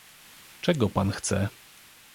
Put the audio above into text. "czego pan chce?"